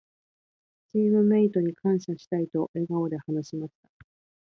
「チームメイトに感謝したい」と笑顔で話しました。